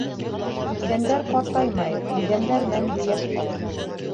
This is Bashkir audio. Үлгәндәр ҡартаймай, үлгәндәр мәңге йәш ҡала.